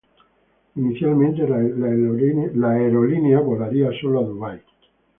Inicialmente, la aerolínea volaría solo a Dubái.